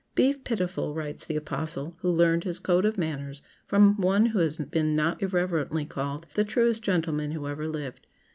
"Be pitiful," writes the apostle who learned his code of manners from One who has been not irreverently called "the truest gentleman who ever lived."